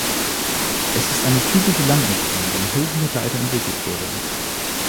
Es ist eine typische Landnutzung, die im Hochmittelalter entwickelt wurde.